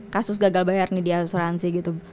kasus gagal bayar di asuransi